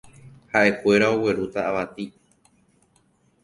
Ha'ekuéra oguerúta avati